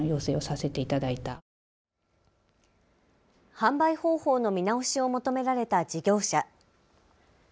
販売方法の見直しを求められた事業者。